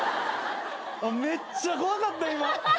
めっちゃ怖かった今。